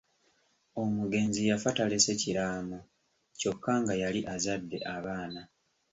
Omugenzi yafa talese kiraamo kyokka nga yali azadde abaana.